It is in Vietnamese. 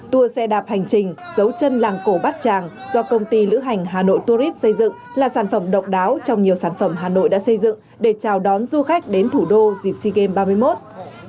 tour xe đạp hành trình dấu chân làng cổ bát tràng do công ty lữ hành hà nội tourist xây dựng là sản phẩm độc đáo trong nhiều sản phẩm hà nội đã xây dựng để chào đón du khách đến thủ đô dịp sea games ba mươi một